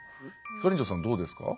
ひかりんちょさんどうですか。